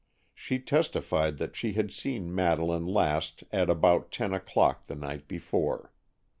She testified that she had seen Madeleine last at about ten o'clock the night before.